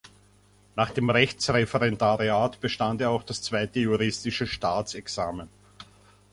Nach dem Rechtsreferendariat bestand er auch das zweite juristische Staatsexamen.